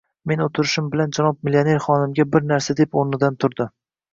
Men o‘tirishim bilan janob millioner xonimga bir narsa deb o‘rnidan turdi.